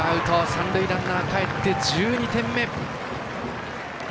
三塁ランナーかえって１２点目。